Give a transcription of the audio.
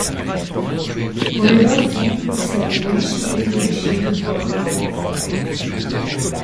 Oliver fiel durch seine menschenähnliche Schädelform auf.